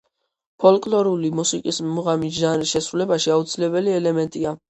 ფოლკლორული მუსიკის მუღამის ჟანრის შესრულებაში აუცილებელი ელემენტია.